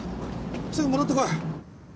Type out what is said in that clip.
すぐ戻ってこい。